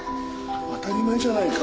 当たり前じゃないか。